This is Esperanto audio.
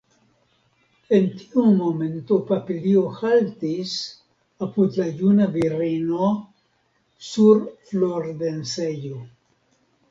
En tiu momento papilio haltis apud la juna virino sur flordensejo.